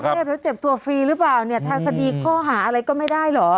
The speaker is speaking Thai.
แล้วเจ็บตัวฟรีหรือเปล่าเนี่ยทางคดีข้อหาอะไรก็ไม่ได้เหรอ